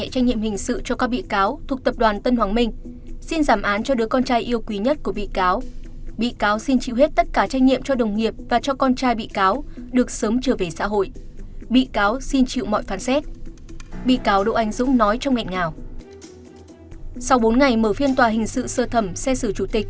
hãy đăng ký kênh để ủng hộ kênh của chúng mình nhé